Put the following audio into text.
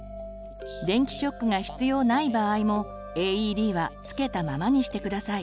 電気ショックが必要ない場合もＡＥＤはつけたままにしてください。